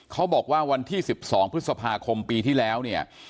เขาบอกว่าวันที่๑๒พฤษภาคมปีที่แล้วเนี่ย